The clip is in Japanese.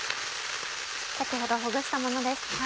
先ほどほぐしたものです。